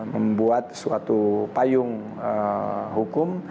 membuat suatu payung hukum